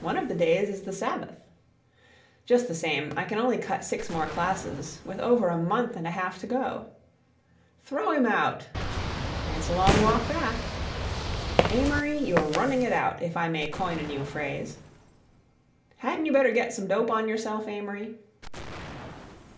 "One of the days is the Sabbath." "Just the same, I can only cut six more classes, with over a month and a half to go." "Throw him out!" "It's a long walk back." "Amory, you're running it out, if I may coin a new phrase." "Hadn't you better get some dope on yourself, Amory?"